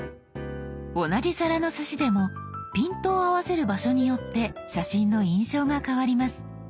同じ皿のすしでもピントを合わせる場所によって写真の印象が変わります。